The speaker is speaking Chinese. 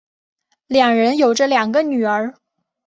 两人有着两个女儿。